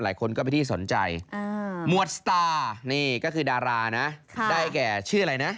ก็เป็นที่สนใจหมวดสตาร์นี่ก็คือดารานะได้แก่ชื่ออะไรนะ